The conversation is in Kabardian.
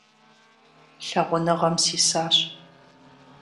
Лъагъуныгъэм сисащ…